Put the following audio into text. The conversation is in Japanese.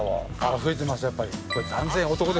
増えてますね、やっぱり。